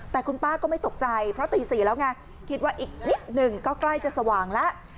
แต่คุณป้าก็ไม่ตกใจเพราะตี๔แล้วไงคิดว่าอีกนิดหนึ่งก็ใกล้จะสว่างแล้ว